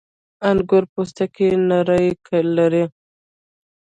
• انګور پوستکی نری لري.